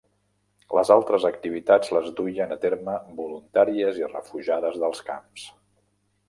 Les altres activitats les duien a terme voluntàries i refugiades dels camps.